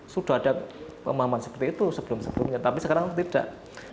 sudah ada pemahaman seperti itu sebelum sebelumnya tapi sekarang tidak